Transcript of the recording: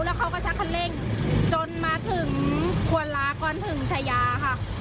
แล้วเขาก็ชักคันเร่งจนมาถึงควรลาก่อนถึงชายาค่ะ